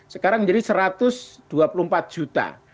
sekarang menjadi satu ratus dua puluh empat juta